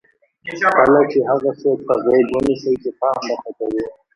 کله چې هغه څوک په غېږ ونیسئ چې پام درته کوي.